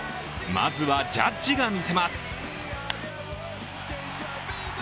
まずはジャッジが見せます。